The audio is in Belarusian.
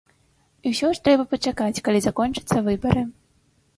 І ўсё ж трэба пачакаць, калі закончацца выбары.